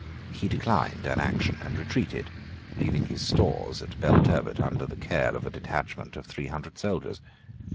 He declined an action, and retreated, leaving his stores at Belturbet under the care of a detachment of three hundred soldiers.